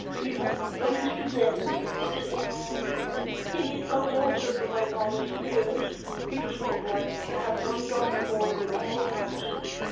"You have noticed it, then?" she said. "It comes also from my father's fears. He does not like to have one dark corner in the whole house.